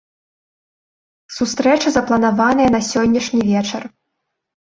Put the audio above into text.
Сустрэча запланаваная на сённяшні вечар.